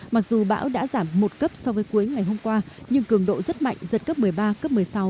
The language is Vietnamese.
mặc dù bão đã giảm một cấp so với cuối ngày hôm qua nhưng cường độ rất mạnh giật cấp một mươi ba cấp một mươi sáu